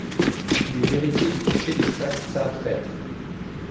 Il est l’héritier du duché de Saxe-Saalfeld.